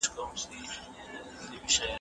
زده کړه باید دوامداره وي.